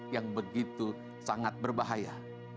yang begitu sangat berbahaya